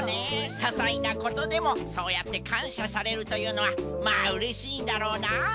ささいなことでもそうやってかんしゃされるというのはまあうれしいんだろうな。